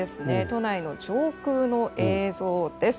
都内の上空の映像です。